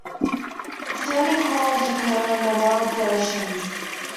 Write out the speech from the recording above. Stony corals occur in all the world's oceans.